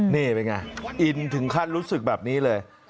นี่เป็นไงอินถึงขั้นรู้สึกแบบนี้เลย